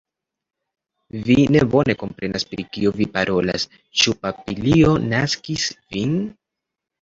Vi ne bone komprenas pri kio vi parolas, ĉu papilio naskis vin?